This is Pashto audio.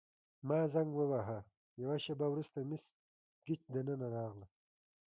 ما زنګ وواهه، یوه شیبه وروسته مس ګیج دننه راغله.